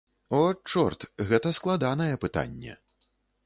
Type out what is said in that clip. О, чорт, гэта складанае пытанне.